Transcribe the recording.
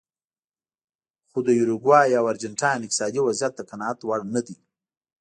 خو د یوروګوای او ارجنټاین اقتصادي وضعیت د قناعت وړ نه دی.